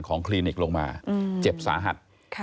คลินิกลงมาเจ็บสาหัส